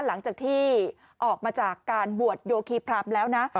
หลังจากที่ออกมาจากการบวชโยคีพรามแล้วนะ